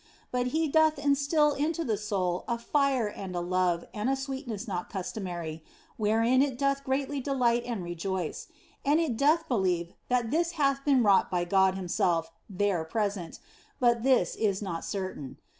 And He doth instil into the soul a fire and a love and a sweetness not customary, wherein it doth greatly delight and rejoice ; and it doth believe that this hath been wrought by God Himself there present, but this is not certain.